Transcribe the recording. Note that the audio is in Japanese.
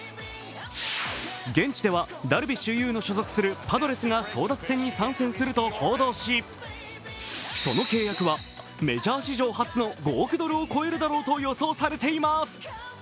現地ではダルビッシュ有の所属するパドレスが争奪戦に参戦すると報道し、その契約はメジャー史上初の５億ドルを超えるだろうと予想されています。